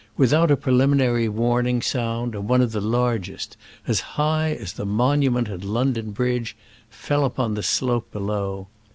Without a prelim inary warning sound one of the largest — as high as the Monument at London Bridge — fell upon the slope below.